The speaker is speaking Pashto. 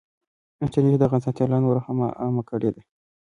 انټرنټ دغه اسانتيا لا نوره هم عامه کړې ده.